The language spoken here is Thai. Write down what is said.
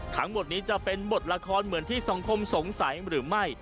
ทั้งหมดนี้จะเป็นบทละครเหมือนที่สังคมสงสัยหรือไม่